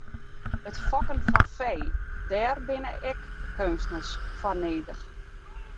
It fokken fan fee, dêr binne ek keunstners foar nedich.